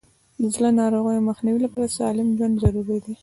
د زړه ناروغیو مخنیوي لپاره سالم ژوند ضروري دی.